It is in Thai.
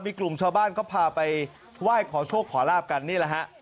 มีกลุ่มชาวบ้านก็พาไปไหว้ขอโชคขอลาบกันนี่แหละฮะ